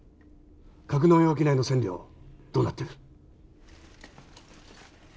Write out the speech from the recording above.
格納容器内の線量どうなってる？